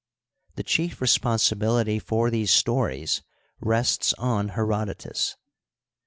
The chief responsibility for these stories rests on Herodotus.